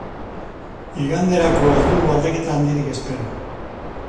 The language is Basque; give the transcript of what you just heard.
Iganderako ez dugu aldaketa handirik espero.